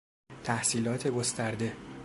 تحصیلات گسترده